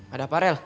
ada apa rel